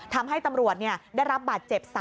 ทำให้ตำรวจได้รับบาดเจ็บ๓